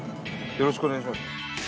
よろしくお願いします。